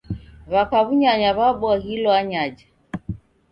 W'aka w'unyanya w'abwaghilo anyaja.